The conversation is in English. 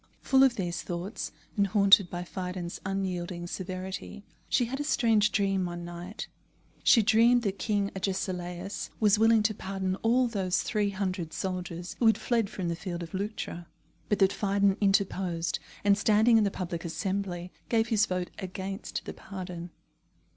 Full of these thoughts, and haunted by Phidon's unyielding severity, she had a strange dream one night. She dreamed that King Agesilaus was willing to pardon all those three hundred soldiers who had fled from the field of Leuctra; but that Phidon interposed, and standing in the Public Assembly, gave his vote against the pardon.